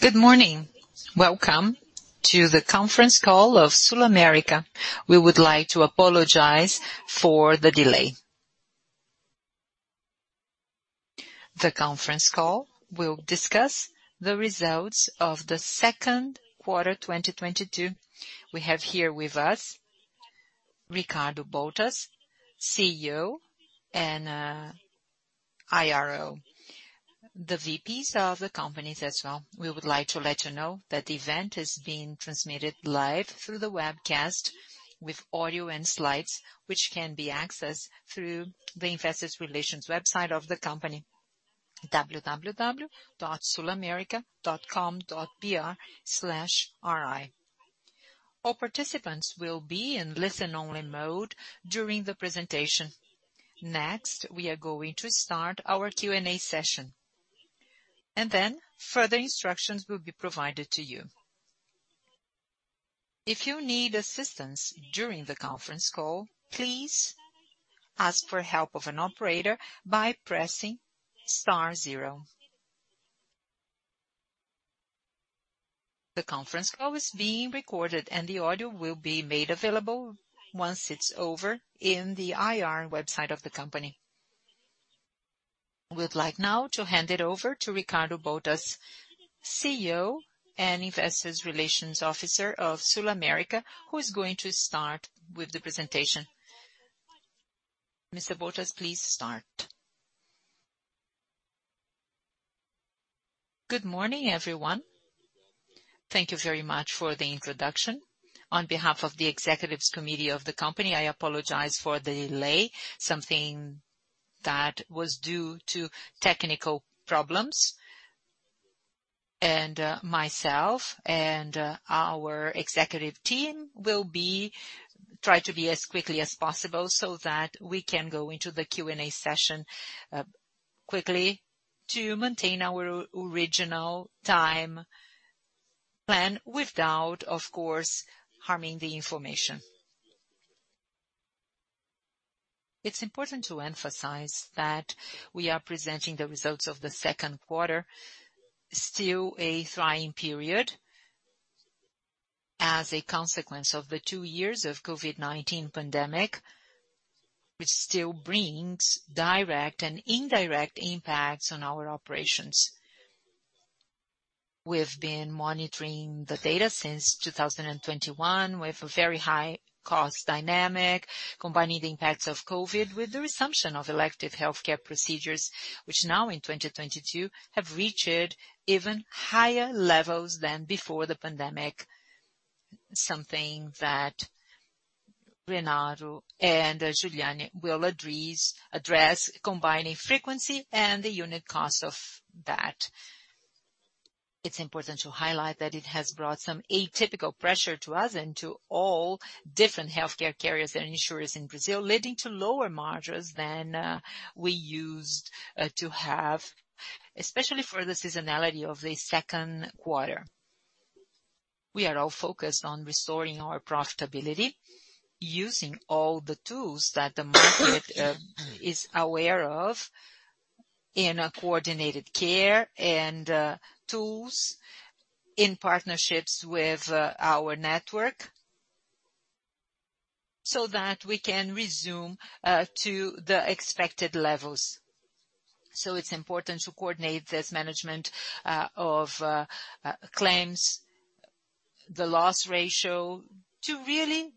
Good morning. Welcome to the conference call of SulAmérica. We would like to apologize for the delay. The conference call will discuss the results of the second quarter, 2022. We have here with us Ricardo Bottas, Chief Executive Officer and Investor Relations Officer. The Vice Presidents of the company as well. We would like to let you know that the event is being transmitted live through the webcast with audio and slides, which can be accessed through the Investor Relations website of the company, www.sulamerica.com.br/ri. All participants will be in listen only mode during the presentation. Next, we are going to start our Q&A session, and then further instructions will be provided to you. If you need assistance during the conference call, please ask for help of an operator by pressing star zero. The conference call is being recorded and the audio will be made available once it's over in the Investor Relations website of the company. We'd like now to hand it over to Ricardo Bottas, Chief Executive Officer and investor relations officer of SulAmérica, who is going to start with the presentation. Mr. Bottas, please start. Good morning, everyone. Thank you very much for the introduction. On behalf of the executive committee of the company, I apologize for the delay, something that was due to technical problems. Myself and our executive team try to be as quickly as possible so that we can go into the Q&A session, quickly to maintain our original time plan without, of course, harming the information. It's important to emphasize that we are presenting the results of the second quarter, still a trying period as a consequence of the two years of COVID-19 pandemic, which still brings direct and indirect impacts on our operations. We've been monitoring the data since 2021. We have a very high cost dynamic, combining the impacts of COVID with the resumption of elective healthcare procedures, which now in 2022 have reached even higher levels than before the pandemic. Something that Renato and Juliana will address, combining frequency and the unit cost of that. It's important to highlight that it has brought some atypical pressure to us and to all different healthcare carriers and insurers in Brazil, leading to lower margins than we used to have, especially for the seasonality of the second quarter. We are all focused on restoring our profitability, using all the tools that the market is aware of in a coordinated care and tools in partnerships with our network so that we can resume to the expected levels. It's important to coordinate this management of claims, the loss ratio, to really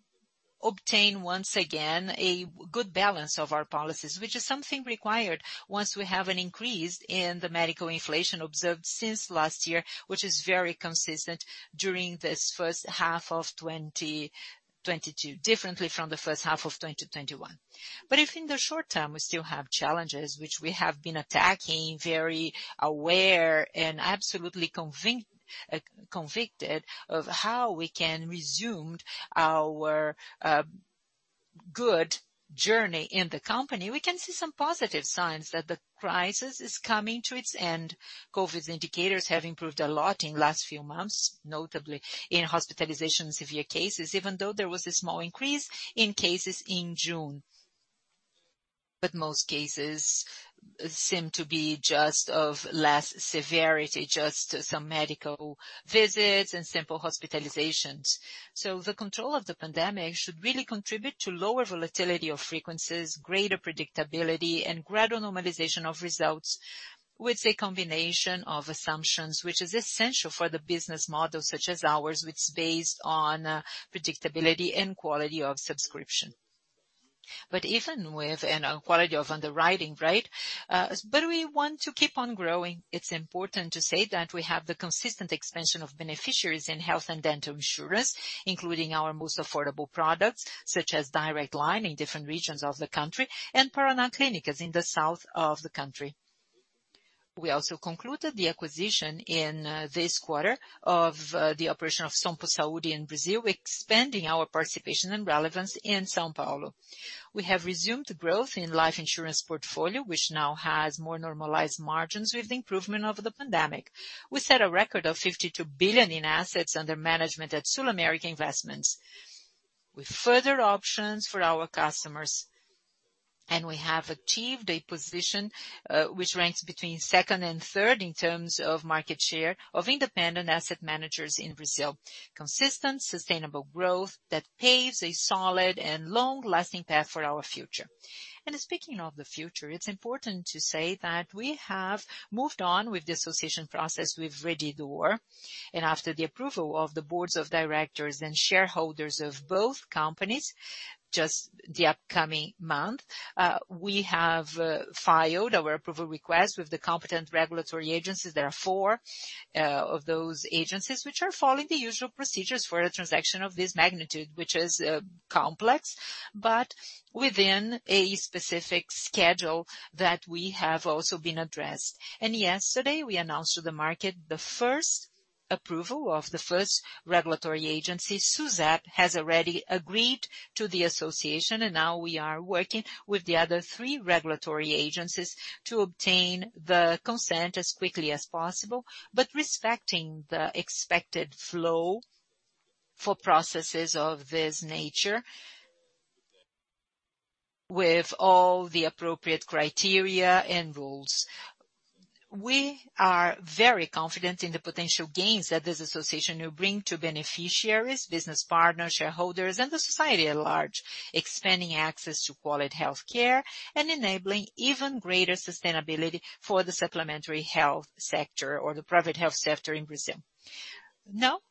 obtain, once again, a good balance of our policies, which is something required once we have an increase in the medical inflation observed since last year, which is very consistent during this first half of 2022, differently from the first half of 2021. If in the short term we still have challenges which we have been attacking, very aware and absolutely convicted of how we can resume our good journey in the company. We can see some positive signs that the crisis is coming to its end. COVID indicators have improved a lot in last few months, notably in hospitalization severe cases, even though there was a small increase in cases in June. Most cases seem to be just of less severity, just some medical visits and simple hospitalizations. The control of the pandemic should really contribute to lower volatility of frequencies, greater predictability, and gradual normalization of results with a combination of assumptions which is essential for the business model such as ours, which is based on predictability and quality of underwriting, right? We want to keep on growing. It's important to say that we have the consistent expansion of beneficiaries in health and dental insurance, including our most affordable products such as Direto in different regions of the country and Paraná Clínicas in the south of the country. We also concluded the acquisition in this quarter of the operation of Sompo Saúde in Brazil, expanding our participation and relevance in São Paulo. We have resumed growth in life insurance portfolio, which now has more normalized margins with the improvement of the pandemic. We set a record of 52 billion in assets under management at SulAmérica Investimentos. With further options for our customers, and we have achieved a position, which ranks between second and third in terms of market share of independent asset managers in Brazil. Consistent, sustainable growth that paves a solid and long-lasting path for our future. Speaking of the future, it's important to say that we have moved on with the association process with Rede D'Or, and after the approval of the boards of directors and shareholders of both companies in just the upcoming month, we have filed our approval request with the competent regulatory agencies. There are four of those agencies which are following the usual procedures for a transaction of this magnitude, which is complex, but within a specific schedule that we have also adhered to. Yesterday, we announced to the market the first approval of the first regulatory agency. SUSEP has already agreed to the association, and now we are working with the other three regulatory agencies to obtain the consent as quickly as possible, but respecting the expected flow for processes of this nature with all the appropriate criteria and rules. We are very confident in the potential gains that this association will bring to beneficiaries, business partners, shareholders, and the society at large, expanding access to quality health care and enabling even greater sustainability for the supplementary health sector or the private health sector in Brazil. Now,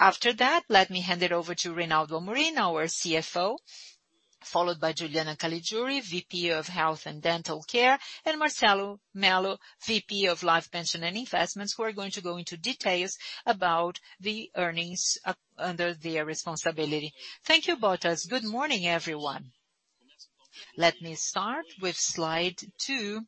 after that, let me hand it over to Reinaldo Amorim, our Chief Financial Officer, followed by Juliana Caligiuri, Vice President of Health and Dental Care, and Marcelo Mello, Vice President of Life Pension and Investments, who are going to go into details about the earnings under their responsibility. Thank you, Bottas. Good morning, everyone. Let me start with slide two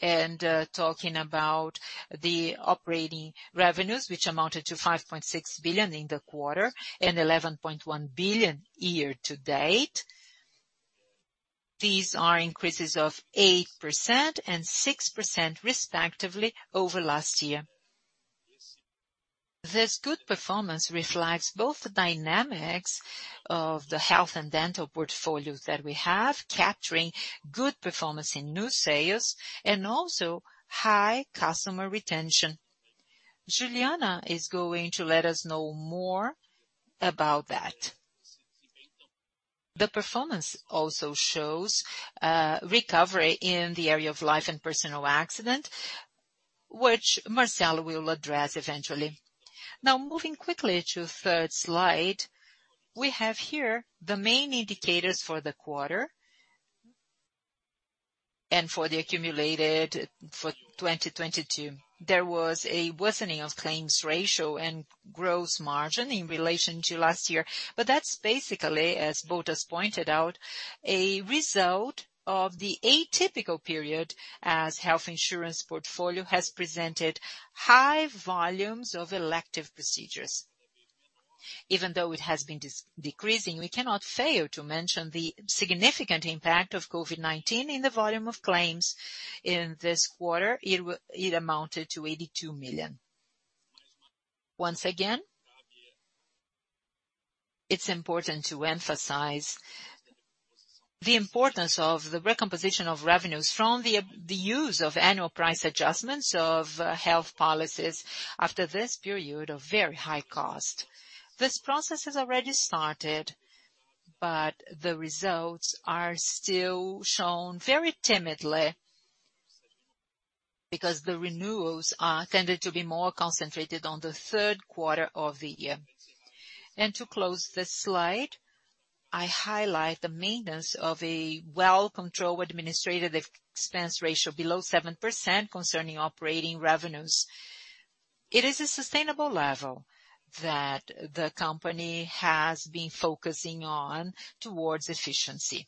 and talking about the operating revenues, which amounted to 5.6 billion in the quarter and 11.1 billion year to date. These are increases of 8% and 6% respectively over last year. This good performance reflects both the dynamics of the health and dental portfolio that we have, capturing good performance in new sales and also high customer retention. Juliana is going to let us know more about that. The performance also shows recovery in the area of life and personal accident, which Marcelo will address eventually. Now, moving quickly to third slide, we have here the main indicators for the quarter and for the accumulated for 2022. There was a worsening of claims ratio and gross margin in relation to last year. That's basically, as Bottas pointed out, a result of the atypical period, as health insurance portfolio has presented high volumes of elective procedures. Even though it has been decreasing, we cannot fail to mention the significant impact of COVID-19 in the volume of claims in this quarter. It amounted to 82 million. Once again, it's important to emphasize the importance of the recomposition of revenues from the use of annual price adjustments of health policies after this period of very high cost. This process has already started, but the results are still shown very timidly because the renewals are tended to be more concentrated on the third quarter of the year. To close this slide, I highlight the maintenance of a well-controlled administrative expense ratio below 7% concerning operating revenues. It is a sustainable level that the company has been focusing on towards efficiency.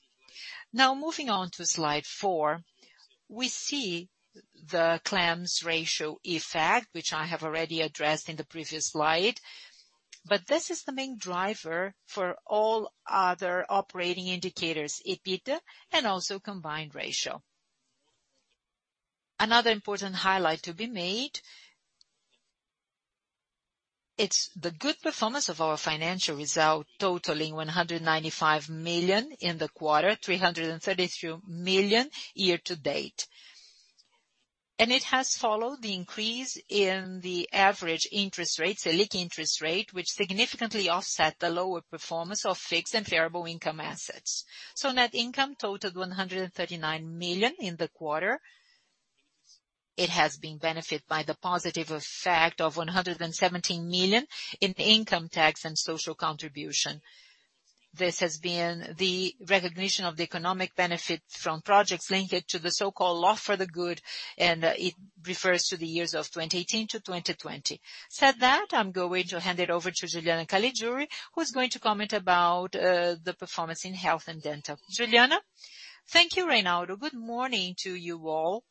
Now, moving on to slide four, we see the claims ratio effect, which I have already addressed in the previous slide. This is the main driver for all other operating indicators, EBITDA and also combined ratio. Another important highlight to be made, it's the good performance of our financial result, totaling 195 million in the quarter, 333 million year to date. It has followed the increase in the average interest rates, the Selic interest rate, which significantly offset the lower performance of fixed and variable income assets. Net income totaled 139 million in the quarter. It has been benefited by the positive effect of 117 million in income tax and social contribution. This has been the recognition of the economic benefit from projects linked to the so-called Lei do Bem, and it refers to the years of 2018-2020. That said, I'm going to hand it over to Juliana Caligiuri, who's going to comment about the performance in health and dental. Juliana? Thank you, Ricardo. Good morning to you all.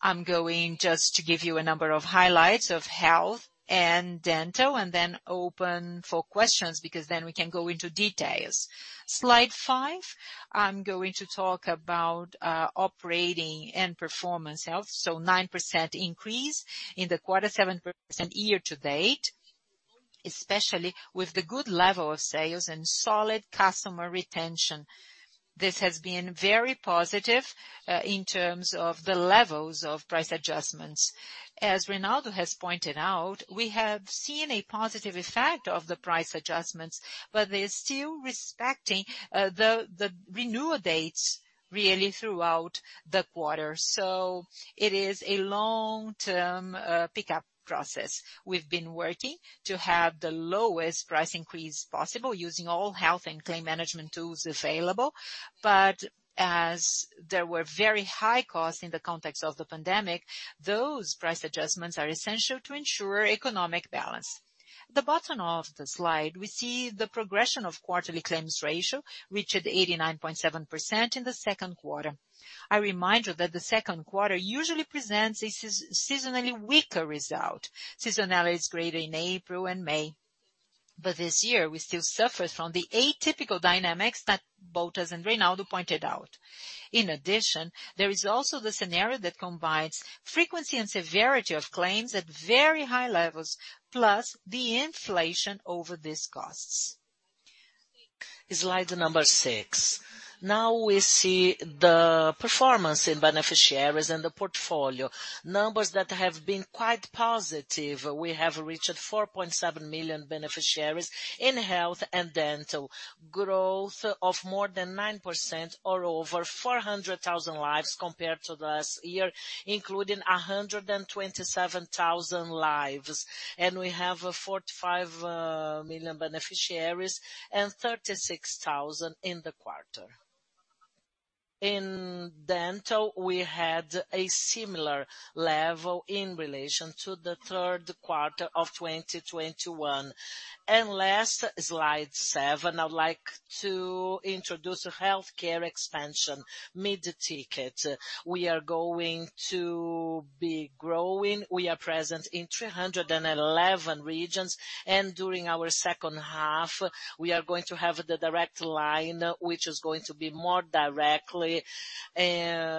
I'm going just to give you a number of highlights of health and dental and then open for questions, because then we can go into details. Slide five, I'm going to talk about operating and performance health, so 9% increase in the quarter, 7% year to date. Especially with the good level of sales and solid customer retention. This has been very positive in terms of the levels of price adjustments. As Ricardo Bottas has pointed out, we have seen a positive effect of the price adjustments, but they're still respecting the renewal dates really throughout the quarter. It is a long-term pickup process. We've been working to have the lowest price increase possible using all health and claim management tools available. As there were very high costs in the context of the pandemic, those price adjustments are essential to ensure economic balance. The bottom of the slide, we see the progression of quarterly claims ratio, which at 89.7% in the second quarter. A reminder that the second quarter usually presents a seasonally weaker result. Seasonality is greater in April and May. This year, we still suffered from the atypical dynamics that Bottas and Ricardo Bottas pointed out. In addition, there is also the scenario that combines frequency and severity of claims at very high levels, plus the inflation over these costs. Slide number six. Now we see the performance in beneficiaries and the portfolio. Numbers that have been quite positive. We have reached 4.7 million beneficiaries in health and dental, growth of more than 9% or over 400,000 lives compared to last year, including 127,000 lives. We have 45 million beneficiaries and 36,000 beneficiaries in the quarter. In dental, we had a similar level in relation to the third quarter of 2021. Last, slide seven, I'd like to introduce a healthcare expansion, mid-ticket. We are going to be growing. We are present in 311 regions, and during our second half, we are going to have the Direto line, which is going to be more affordable,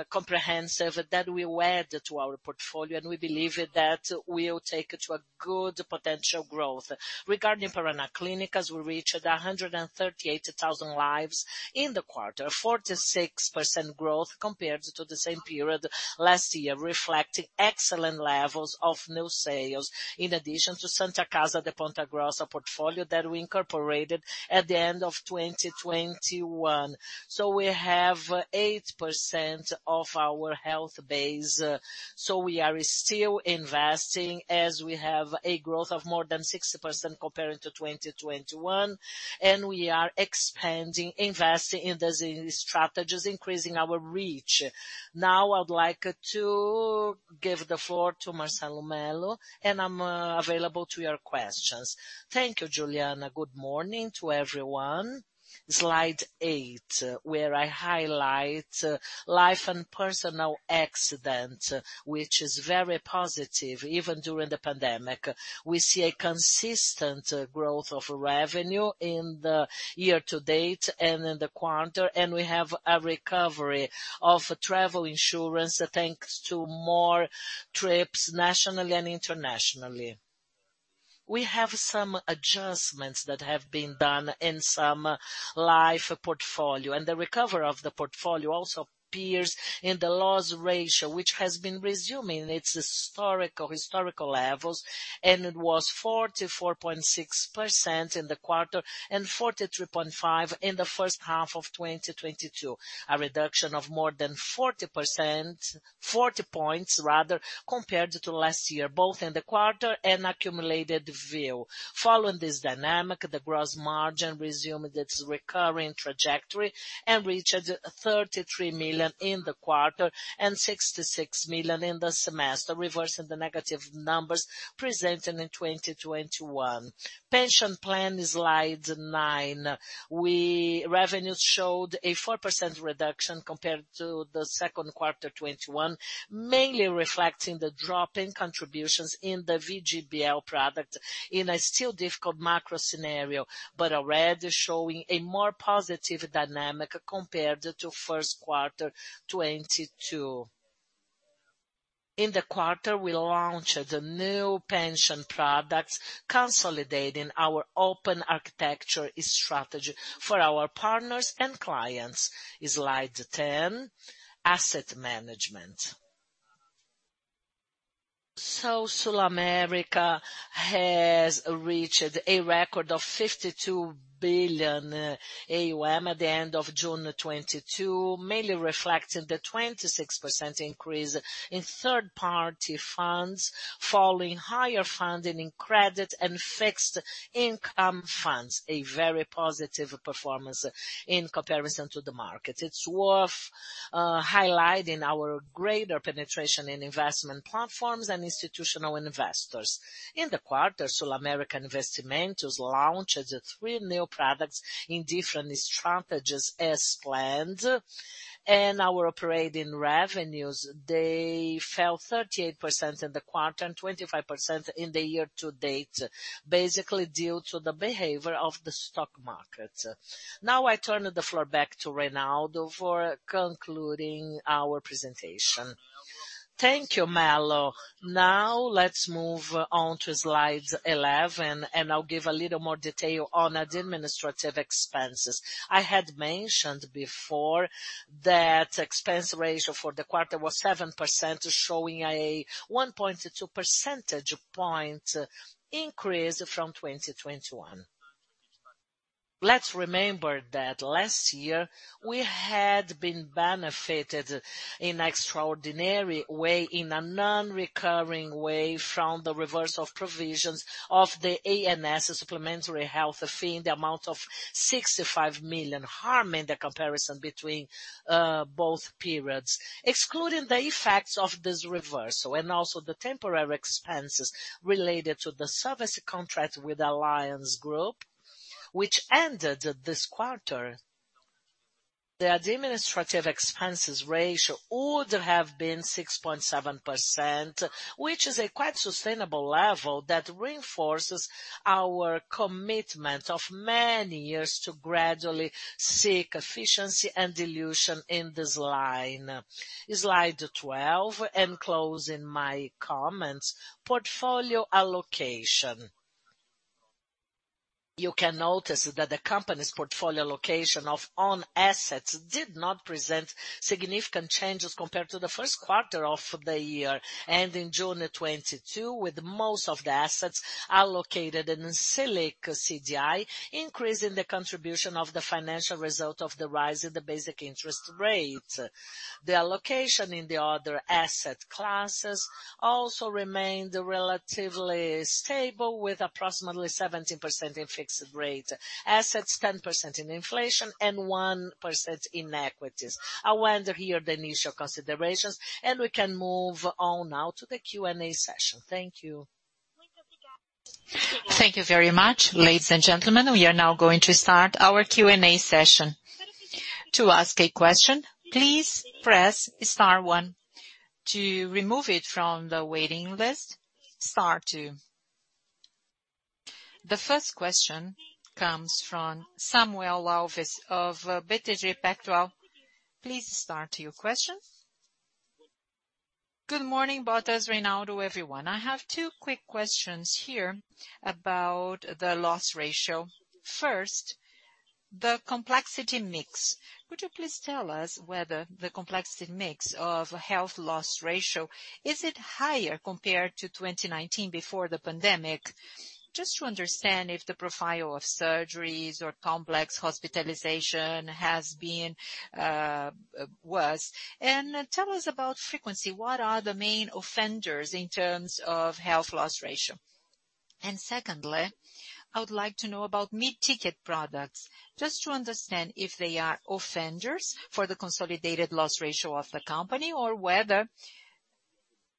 comprehensive that we add to our portfolio, and we believe that will take it to a good potential growth. Regarding Paraná Clínicas, we reached 138,000 lives in the quarter, 46% growth compared to the same period last year, reflecting excellent levels of new sales, in addition to Santa Casa de Ponta Grossa portfolio that we incorporated at the end of 2021. We have 8% of our health base. We are still investing as we have a growth of more than 60% compared to 2021, and we are expanding, investing in the strategies, increasing our reach. Now, I would like to give the floor to Marcelo Mello, and I'm available to your questions. Thank you, Juliana. Good morning to everyone. Slide eight, where I highlight life and personal accident, which is very positive even during the pandemic. We see a consistent growth of revenue in the year to date and in the quarter, and we have a recovery of travel insurance, thanks to more trips nationally and internationally. We have some adjustments that have been done in some life portfolio, and the recovery of the portfolio also appears in the loss ratio, which has been resuming its historical levels, and it was 44.6% in the quarter and 43.5% in the first half of 2022. A reduction of more than 40%, 40 points rather, compared to last year, both in the quarter and accumulated view. Following this dynamic, the gross margin resumed its recurring trajectory and reached 33 million in the quarter and 66 million in the semester, reversing the negative numbers presented in 2021. Pension plan, slide nine. Revenues showed a 4% reduction compared to the second quarter 2021, mainly reflecting the drop in contributions in the VGBL product in a still difficult macro scenario, but already showing a more positive dynamic compared to first quarter 2022. In the quarter, we launched the new pension products, consolidating our open architecture strategy for our partners and clients. Slide 10, asset management. SulAmérica has reached a record of 52 billion AUM at the end of June 2022, mainly reflecting the 26% increase in third-party funds, following higher funding in credit and fixed income funds, a very positive performance in comparison to the market. It's worth highlighting our greater penetration in investment platforms and institutional investors. In the quarter, SulAmérica Investimentos launched three new products in different strategies as planned. Our operating revenues, they fell 38% in the quarter and 25% in the year to date, basically due to the behavior of the stock market. Now I turn the floor back to Ricardo Bottas for concluding our presentation. Thank you, Marcelo Mello. Now let's move on to Slide 11, and I'll give a little more detail on the administrative expenses. I had mentioned before that expense ratio for the quarter was 7%, showing a 1.2 percentage point increase from 2021. Let's remember that last year we had been benefited in extraordinary way, in a non-recurring way from the reverse of provisions of the ANS supplementary health fee in the amount of 65 million, harming the comparison between both periods. Excluding the effects of this reversal and also the temporary expenses related to the service contract with Allianz Group, which ended this quarter. The administrative expenses ratio would have been 6.7%, which is a quite sustainable level that reinforces our commitment of many years to gradually seek efficiency and dilution in this line. Slide 12 and closing my comments. Portfolio allocation. You can notice that the company's portfolio allocation of own assets did not present significant changes compared to the first quarter of the year, ending June 2022, with most of the assets allocated in Selic CDI, increasing the contribution of the financial result of the rise in the basic interest rate. The allocation in the other asset classes also remained relatively stable, with approximately 17% in fixed rate assets, 10% in inflation, and 1% in equities. I'll end here the initial considerations, and we can move on now to the Q&A session. Thank you. Thank you very much. Ladies and gentlemen, we are now going to start our Q&A session. To ask a question, please press star one. To remove it from the waiting list, star two. The first question comes from Samuel Alves of BTG Pactual. Please start your question. Good morning, Ricardo Bottas, Renato Russo, everyone. I have two quick questions here about the loss ratio. First, the complexity mix. Would you please tell us whether the complexity mix of health loss ratio is higher compared to 2019 before the pandemic? Just to understand if the profile of surgeries or complex hospitalization has been worse. Tell us about frequency. What are the main offenders in terms of health loss ratio? Secondly, I would like to know about mid-ticket products, just to understand if they are offenders for the consolidated loss ratio of the company or whether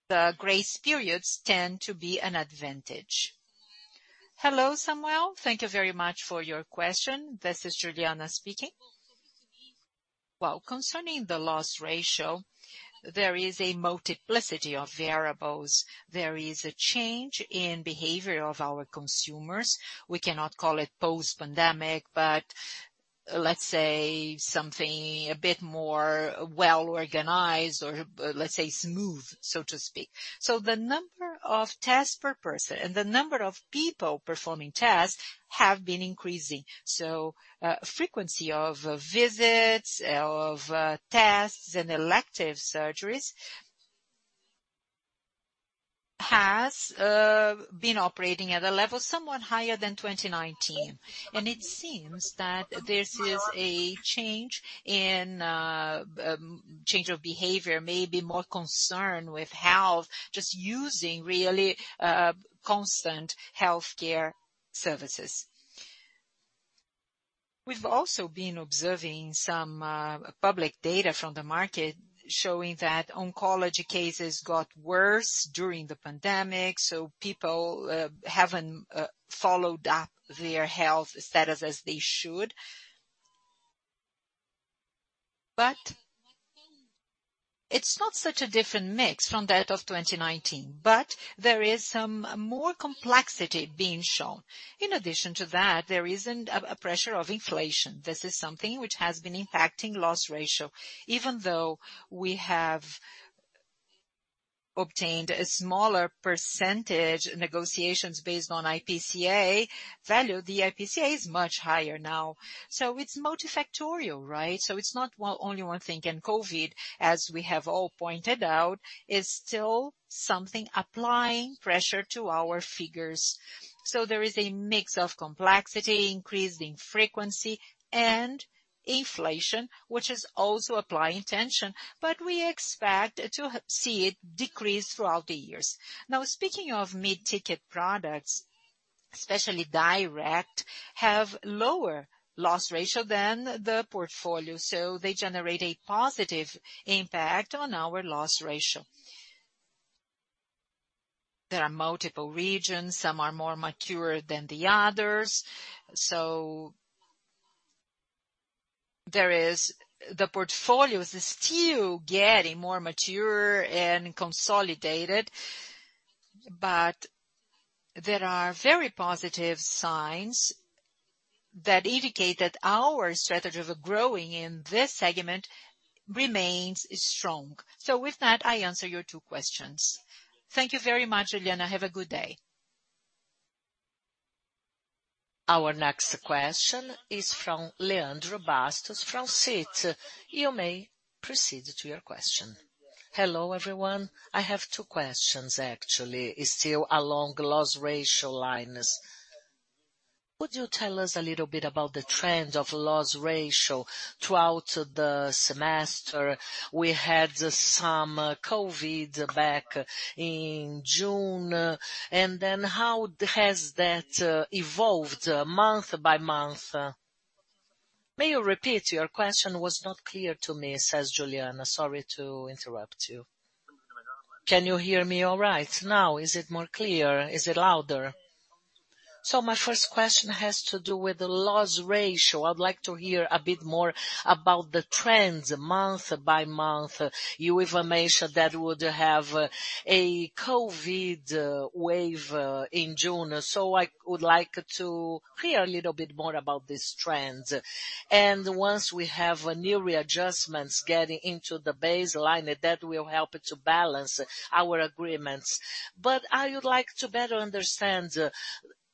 the grace periods tend to be an advantage? Hello, Samuel. Thank you very much for your question. This is Juliana speaking. Well, concerning the loss ratio, there is a multiplicity of variables. There is a change in behavior of our consumers. We cannot call it post-pandemic, but let's say something a bit more well organized or, let's say smooth, so to speak. The number of tests per person and the number of people performing tests have been increasing. Frequency of visits, of tests and elective surgeries has been operating at a level somewhat higher than 2019. It seems that this is a change of behavior, maybe more concerned with health, just using really constant healthcare services. We've also been observing some public data from the market showing that oncology cases got worse during the pandemic, so people haven't followed up their health status as they should. It's not such a different mix from that of 2019, but there is some more complexity being shown. In addition to that, there is a pressure of inflation. This is something which has been impacting loss ratio. Even though we have obtained a smaller percentage negotiations based on IPCA value, the IPCA is much higher now. It's multifactorial, right? It's not only one thing. COVID, as we have all pointed out, is still something applying pressure to our figures. There is a mix of complexity, increase in frequency and inflation, which is also applying tension, but we expect to see it decrease throughout the years. Now, speaking of mid-ticket products, especially Direto, have lower loss ratio than the portfolio, so they generate a positive impact on our loss ratio. There are multiple regions, some are more mature than the others. The portfolio is still getting more mature and consolidated, but there are very positive signs that indicate that our strategy of growing in this segment remains strong. With that, I answer your two questions. Thank you very much, Juliana. Have a good day. Our next question is from Leandro Bastos from Citi. You may proceed to your question. Hello, everyone. I have two questions, actually. It's still along loss ratio lines. Could you tell us a little bit about the trend of loss ratio throughout the semester? We had some COVID back in June. How has that evolved month by month? May you repeat? Your question was not clear to me, says Juliana. Sorry to interrupt you. Can you hear me all right now? Is it more clear? Is it louder? Yes. My first question has to do with the loss ratio. I'd like to hear a bit more about the trends month by month. You even mentioned that we would have a COVID wave in June. I would like to hear a little bit more about these trends. Once we have new readjustments getting into the baseline, that will help to balance our agreements. I would like to better understand,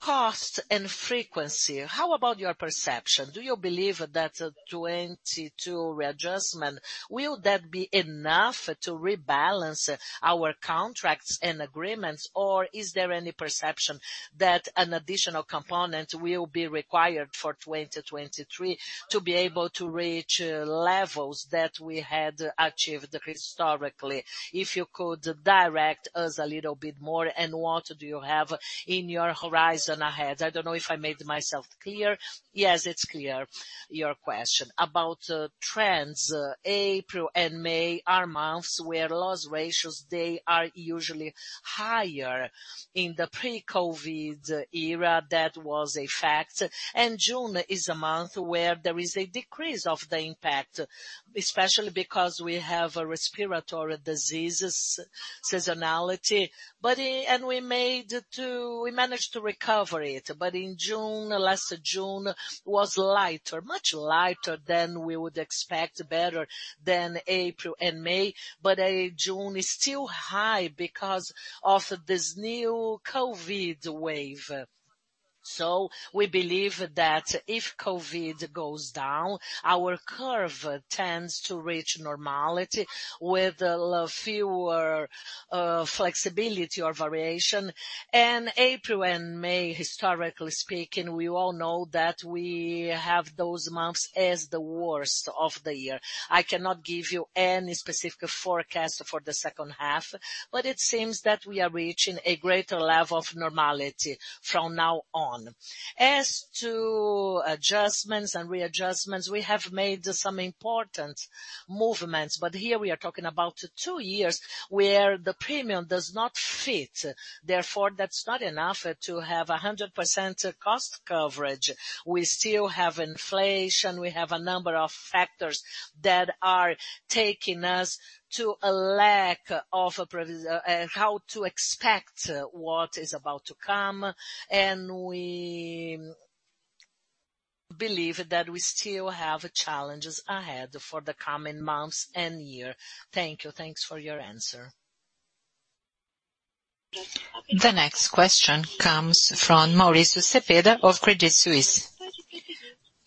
cost and frequency. How about your perception? Do you believe that, 2022 readjustment, will that be enough to rebalance our contracts and agreements? Or is there any perception that an additional component will be required for 2023 to be able to reach, levels that we had achieved historically? If you could direct us a little bit more, and what do you have in your horizon ahead? I don't know if I made myself clear. Yes, it's clear, your question. About, trends, April and May are months where loss ratios, they are usually higher. In the pre-COVID era, that was a fact. June is a month where there is a decrease of the impact, especially because we have respiratory diseases seasonality. And we managed to recover it. In June, last June was lighter, much lighter than we would expect, better than April and May. June is still high because of this new COVID wave. We believe that if COVID goes down, our curve tends to reach normality with fewer flexibility or variation. April and May, historically speaking, we all know that we have those months as the worst of the year. I cannot give you any specific forecast for the second half, but it seems that we are reaching a greater level of normality from now on. As to adjustments and readjustments, we have made some important movements, but here we are talking about two years where the premium does not fit. Therefore, that's not enough to have 100% cost coverage. We still have inflation, we have a number of factors that are taking us to a lack of how to expect what is about to come. We believe that we still have challenges ahead for the coming months and year. Thank you. Thanks for your answer. The next question comes from Mauricio Cepeda of Credit Suisse.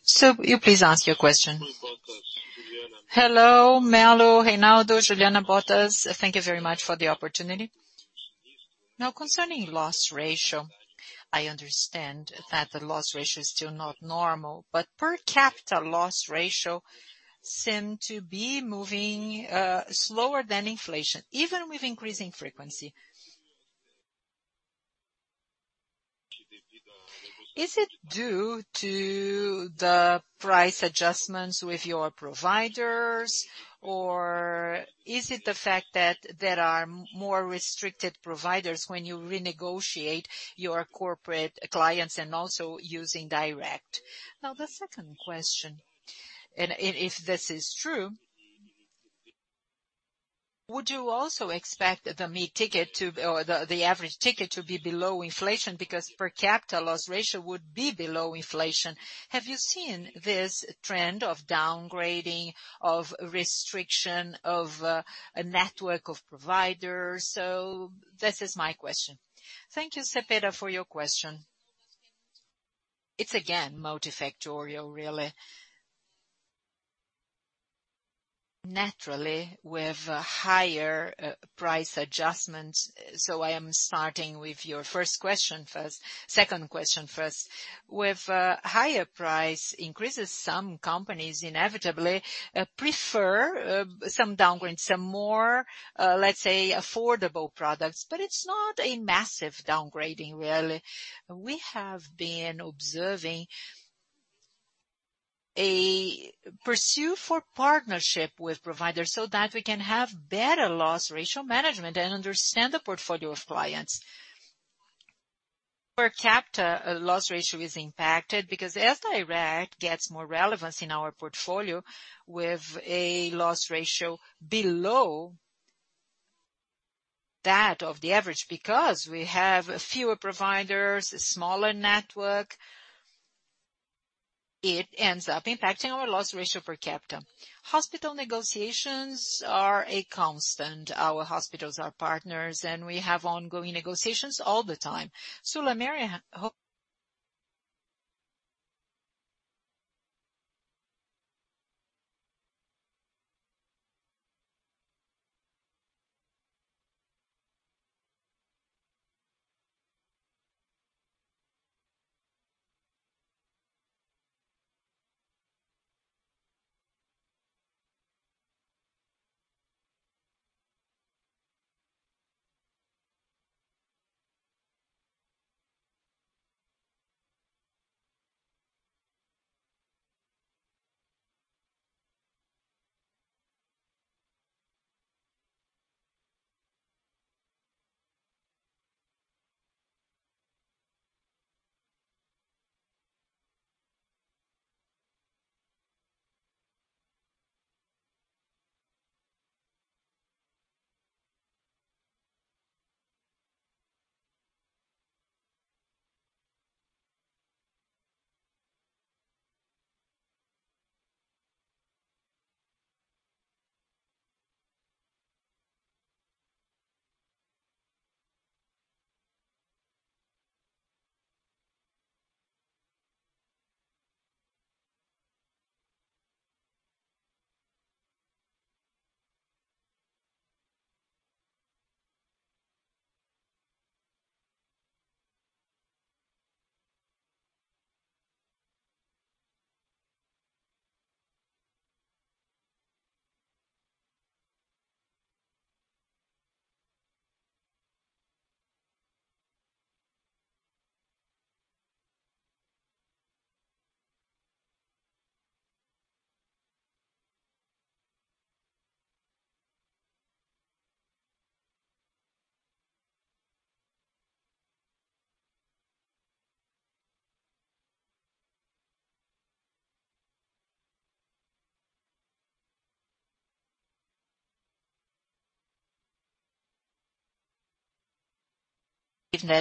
So you please ask your question. Hello, Mello, Reynaldo, Juliana, Bottas. Thank you very much for the opportunity. Now, concerning loss ratio, I understand that the loss ratio is still not normal, but per capita loss ratio seem to be moving slower than inflation, even with increasing frequency. Is it due to the price adjustments with your providers or is it the fact that there are more restricted providers when you renegotiate your corporate clients and also using direct? Now, the second question, if this is true, would you also expect the mid-ticket or the average ticket to be below inflation because per capita loss ratio would be below inflation? Have you seen this trend of downgrading, of restriction of a network of providers? This is my question. Thank you, Cepeda, for your question. It's again multifactorial, really. Naturally, with a higher price adjustment, so I am starting with your first question first. Second question first. With higher price increases, some companies inevitably prefer some downgrade, some more let's say, affordable products, but it's not a massive downgrading, really. We have been observing a pursuit for partnership with providers so that we can have better loss ratio management and understand the portfolio of clients. Per capita loss ratio is impacted because as Direto gets more relevance in our portfolio with a loss ratio below that of the average, because we have fewer providers, a smaller network, it ends up impacting our loss ratio per capita. Hospital negotiations are a constant. Our hospitals are partners, and we have ongoing negotiations all the time. SulAmérica. I think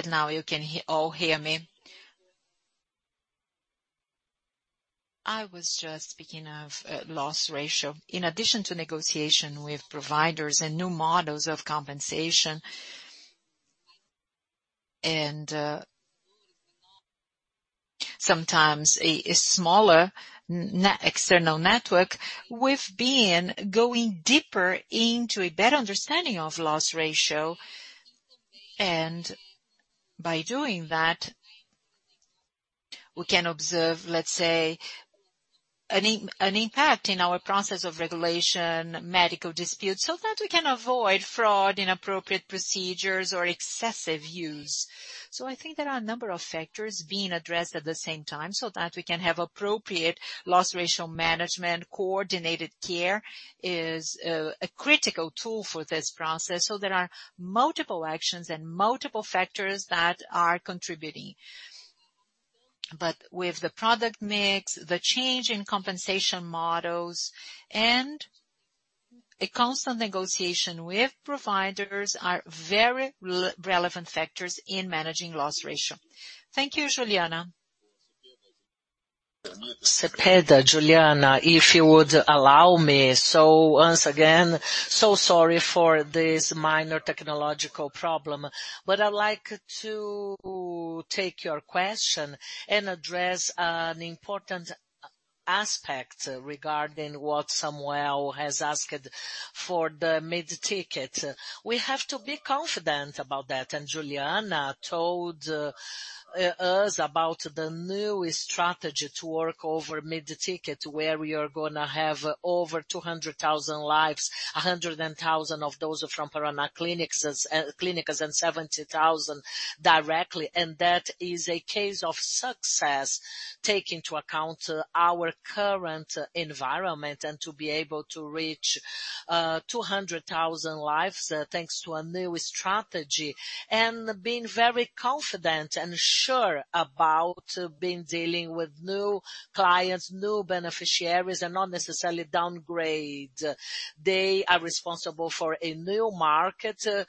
now you can all hear me. I was just speaking of loss ratio. In addition to negotiation with providers and new models of compensation and sometimes a smaller external network, we've been going deeper into a better understanding of loss ratio. By doing that, we can observe, let's say, an impact in our process of regulation, medical disputes, so that we can avoid fraud, inappropriate procedures or excessive use. I think there are a number of factors being addressed at the same time so that we can have appropriate loss ratio management. Coordinated care is a critical tool for this process. There are multiple actions and multiple factors that are contributing. With the product mix, the change in compensation models and a constant negotiation with providers are very relevant factors in managing loss ratio. Thank you, Juliana. Cepeda, Juliana, if you would allow me. Once again, so sorry for this minor technological problem, but I'd like to take your question and address an important aspect regarding what Samuel has asked for the mid-ticket. We have to be confident about that. Juliana told us about the new strategy to work over mid-ticket, where we are gonna have over 200,000 lives, 100,000 lives of those are from Paraná Clínicas, and 70,000 lives directly. That is a case of success, taking into account our current environment and to be able to reach 200,000 lives, thanks to a new strategy and being very confident and sure about being dealing with new clients, new beneficiaries and not necessarily downgrade. They are responsible for a new market, a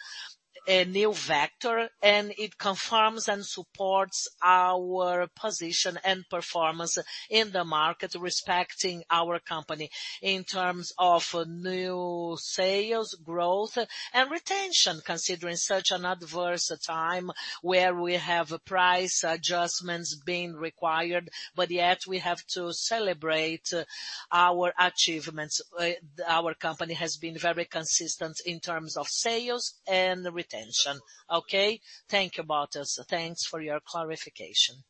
new vector, and it confirms and supports our position and performance in the market, respecting our company in terms of new sales growth and retention, considering such an adverse time where we have price adjustments being required, but yet we have to celebrate our achievements. Our company has been very consistent in terms of sales and retention. Okay, thank you, Bottas. Thanks for your clarification.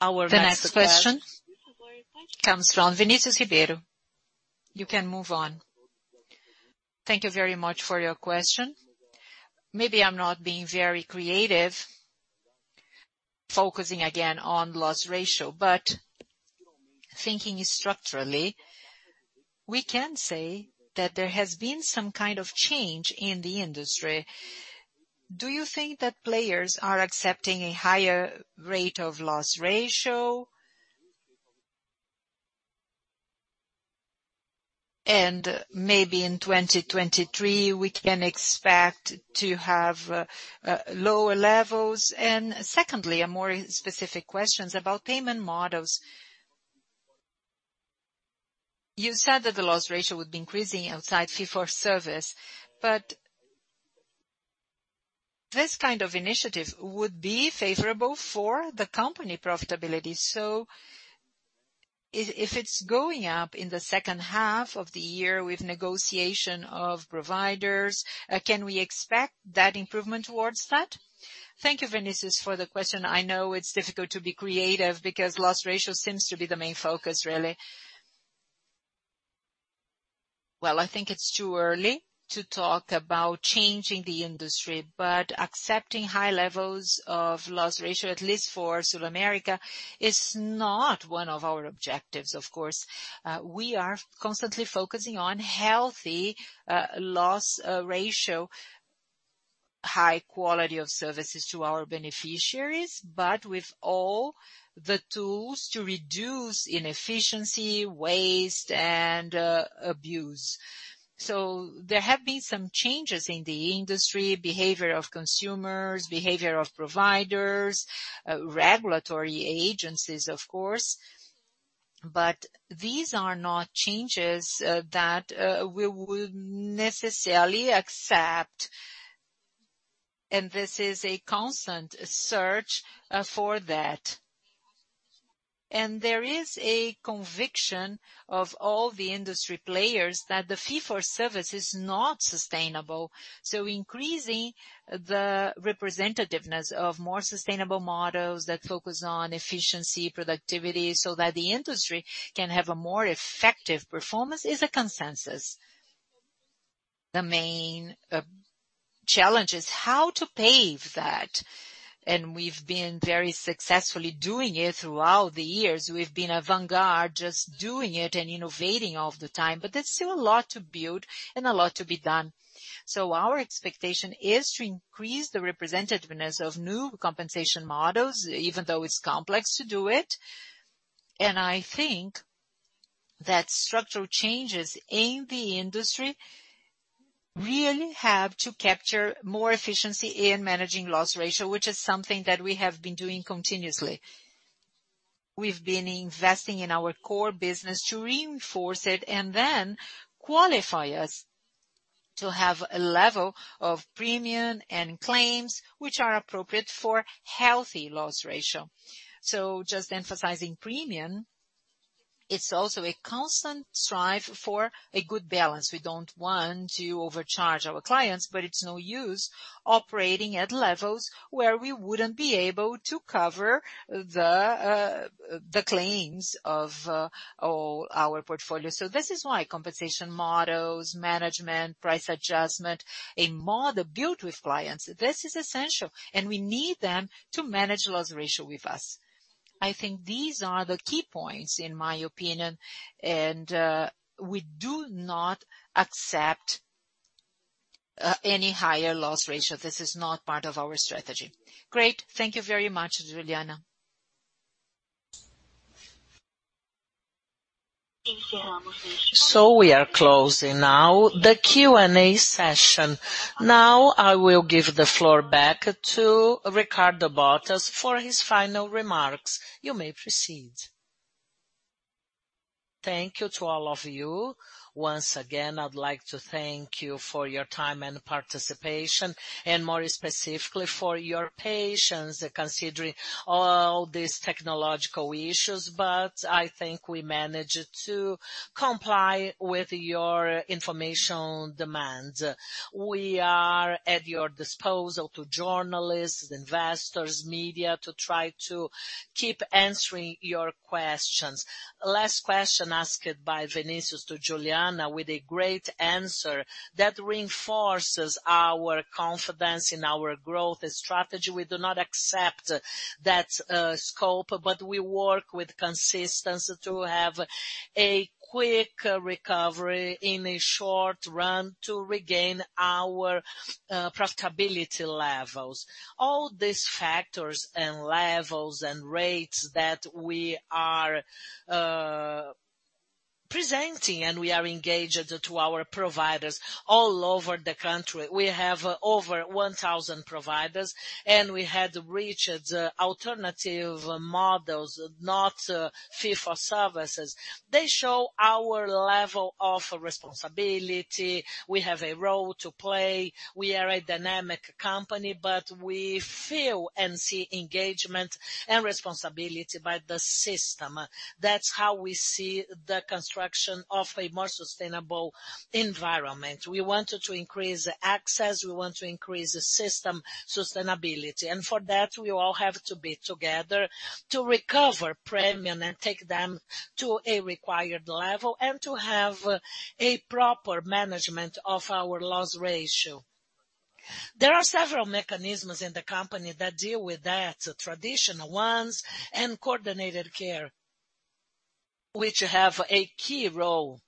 The next question comes from Vinicius Ribeiro. You can move on. Thank you very much for your question. Maybe I'm not being very creative, focusing again on loss ratio, but thinking structurally, we can say that there has been some kind of change in the industry. Do you think that players are accepting a higher rate of loss ratio? Maybe in 2023 we can expect to have lower levels. Secondly, a more specific questions about payment models. You said that the loss ratio would be increasing outside fee-for-service, but this kind of initiative would be favorable for the company profitability. If it's going up in the second half of the year with negotiation of providers, can we expect that improvement toward that? Thank you, Vinicius, for the question. I know it's difficult to be creative because loss ratio seems to be the main focus really. Well, I think it's too early to talk about changing the industry, but accepting high levels of loss ratio, at least for SulAmérica, is not one of our objectives, of course. We are constantly focusing on healthy loss ratio, high quality of services to our beneficiaries, but with all the tools to reduce inefficiency, waste, and abuse. There have been some changes in the industry, behavior of consumers, behavior of providers, regulatory agencies, of course, but these are not changes that we would necessarily accept, and this is a constant search for that. There is a conviction of all the industry players that the fee-for-service is not sustainable. Increasing the representativeness of more sustainable models that focus on efficiency, productivity, so that the industry can have a more effective performance is a consensus. The main challenge is how to pave that, and we've been very successfully doing it throughout the years. We've been avant-garde just doing it and innovating all the time, but there's still a lot to build and a lot to be done. Our expectation is to increase the representativeness of new compensation models, even though it's complex to do it. I think that structural changes in the industry really have to capture more efficiency in managing loss ratio, which is something that we have been doing continuously. We've been investing in our core business to reinforce it and then qualify us to have a level of premium and claims which are appropriate for healthy loss ratio. Just emphasizing premium, it's also a constant strive for a good balance. We don't want to overcharge our clients, but it's no use operating at levels where we wouldn't be able to cover the claims of our portfolio. This is why compensation models, management, price adjustment, a model built with clients, this is essential, and we need them to manage loss ratio with us. I think these are the key points in my opinion and we do not accept any higher loss ratio. This is not part of our strategy. Great. Thank you very much, Juliana. We are closing now the Q&A session. Now, I will give the floor back to Ricardo Bottas for his final remarks. You may proceed. Thank you to all of you. Once again, I'd like to thank you for your time and participation and more specifically for your patience, considering all these technological issues, but I think we managed to comply with your informational demands. We are at your disposal to journalists, investors, media, to try to keep answering your questions. Last question asked by Vinicius to Juliana with a great answer that reinforces our confidence in our growth strategy. We do not accept that scope, but we work with consistency to have a quick recovery in the short run to regain our profitability levels. All these factors and levels and rates that we are presenting, and we are engaged to our providers all over the country. We have over 1,000 providers, and we had reached alternative models, not fee-for-service. They show our level of responsibility. We have a role to play. We are a dynamic company, but we feel and see engagement and responsibility by the system. That's how we see the construction of a more sustainable environment. We want to increase access, we want to increase the system sustainability, and for that, we all have to be together to recover premium and take them to a required level and to have a proper management of our loss ratio. There are several mechanisms in the company that deal with that, traditional ones and coordinated care, which have a key role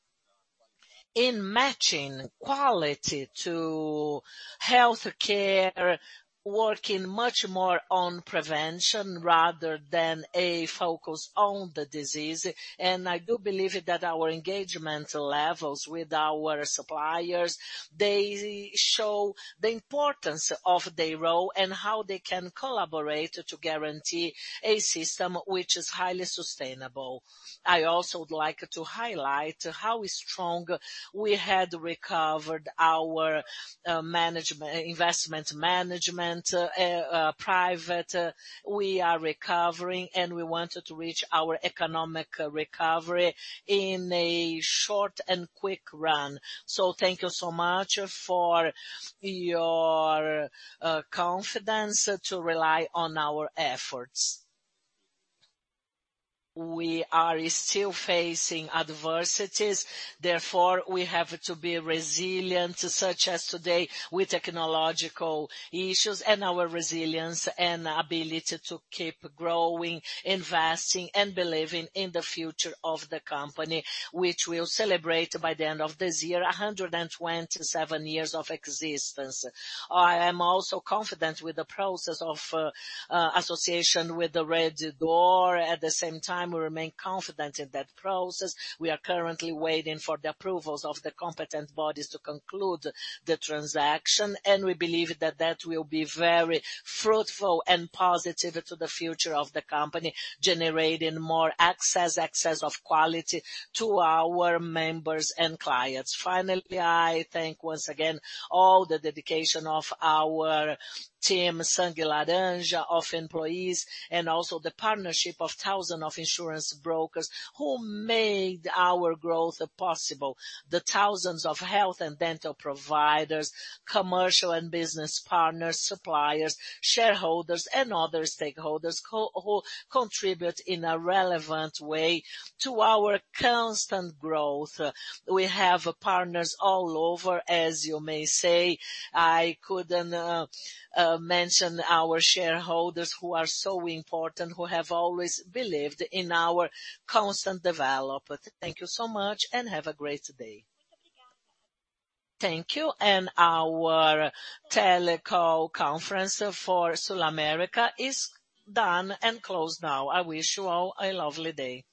in matching quality to healthcare, working much more on prevention rather than a focus on the disease. I do believe that our engagement levels with our suppliers, they show the importance of their role and how they can collaborate to guarantee a system which is highly sustainable. I also would like to highlight how strong we had recovered our management, investment management private. We are recovering, and we wanted to reach our economic recovery in a short and quick run. Thank you so much for your confidence to rely on our efforts. We are still facing adversities, therefore, we have to be resilient, such as today with technological issues and our resilience and ability to keep growing, investing, and believing in the future of the company, which will celebrate by the end of this year, 127 years of existence. I am also confident with the process of association with the Rede D'Or. At the same time, we remain confident in that process. We are currently waiting for the approvals of the competent bodies to conclude the transaction, and we believe that will be very fruitful and positive to the future of the company, generating more access of quality to our members and clients. Finally, I thank once again all the dedication of our team, Sangue Laranja, of employees, and also the partnership of thousands of insurance brokers who made our growth possible. The thousands of health and dental providers, commercial and business partners, suppliers, shareholders and other stakeholders who contribute in a relevant way to our constant growth. We have partners all over, as you may say. I couldn't mention our shareholders who are so important, who have always believed in our constant development. Thank you so much and have a great day. Thank you. Our teleconference for SulAmérica is done and closed now. I wish you all a lovely day.